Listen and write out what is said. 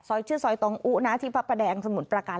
ซอยชื่อซอยตองอุที่พระแดงสมุนประการ